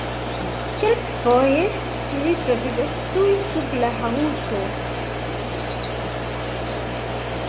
Kelkfoje ili troviĝas tuj sub la haŭto.